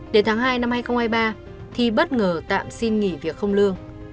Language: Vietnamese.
để tháng hai năm hai nghìn hai mươi ba thi bất ngờ tạm xin nghỉ việc không lương